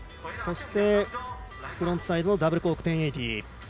そして、フロントサイドのダブルコーク１０８０。